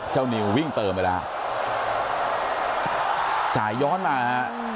นิววิ่งเติมไปแล้วจ่ายย้อนมาฮะ